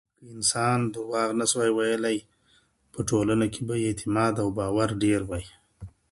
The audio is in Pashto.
خپل ځان بايد له نورو سره پرتله نکړو